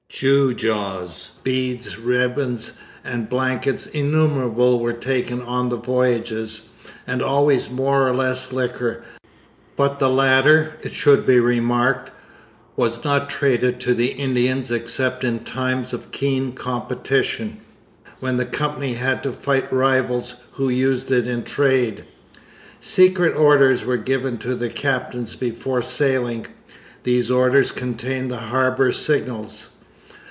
Gewgaws, beads, ribbons, and blankets innumerable were taken on the voyages, and always more or less liquor; but the latter, it should be remarked, was not traded to the Indians except in times of keen competition, when the Company had to fight rivals who used it in trade. Secret orders were given to the captains before sailing. These orders contained the harbour signals.